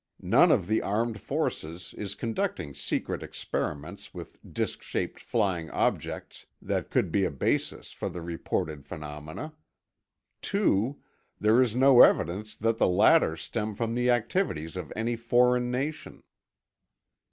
None of the armed forces is conducting secret experiments with disk shaped flying objects that could be a basis for the reported phenomena. 2. There is no evidence that the latter stem from the activities of any foreign nation.